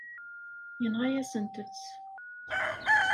Yenɣa-yasent-tt.